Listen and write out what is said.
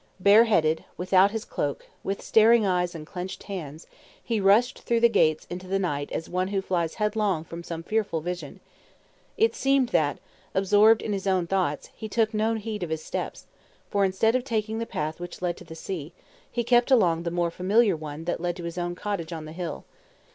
Bare headed, without his cloak, with staring eyes and clenched hands, he rushed through the gates into the night as one who flies headlong from some fearful vision. It seemed that, absorbed in his own thoughts, he took no heed of his steps, for instead of taking the path which led to the sea, he kept along the more familiar one that led to his own cottage on the hill.